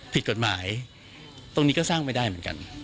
ผิดกฎหมายตรงนี้ก็สร้างไม่ได้เหมือนกัน